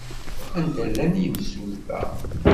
Anda llan yimsulta?